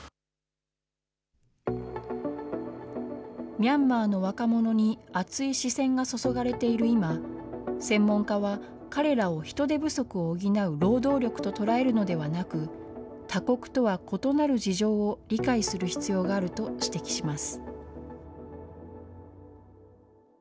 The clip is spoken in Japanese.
ミャンマーの若者に熱い視線が注がれている今、専門家は、彼らを人手不足を補う労働力と捉えるのではなく、他国とは異なる事情を理解する必要があると指摘します。